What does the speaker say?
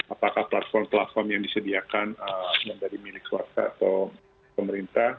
apakah platform platform yang disediakan dari milik swasta atau pemerintah